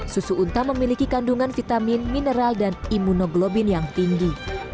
susu unta memiliki kandungan vitamin mineral dan imunoglobin yang tinggi